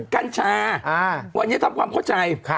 กัญชาวันนี้ทำความเข้าใจ